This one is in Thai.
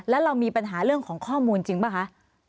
แล้วเรามีปัญหาเรื่องของข้อมูลจริงป่ะคะ